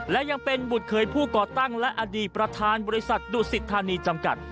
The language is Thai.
และยังเป็นบุตรเคยผู้ก่อตั้งและอดีตประธานบริษัทดุสิทธานีจำกัด